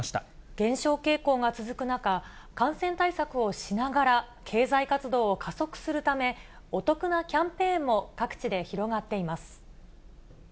減少傾向が続く中、感染対策をしながら、経済活動を加速するため、お得なキャンペーンも各地で広がっています。